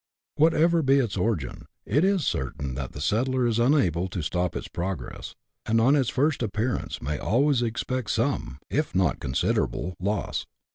Whatever be its origin, it is certain that the settler is unable to stop its progress, and on its first appearance may always expect some, if not considerable, loss.